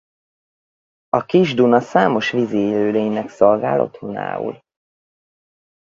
A Kis-Duna számos vízi élőlénynek szolgál otthonául.